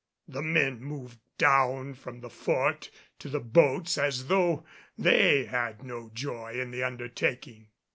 The men moved down from the Fort to the boats as though they had no joy in the undertaking.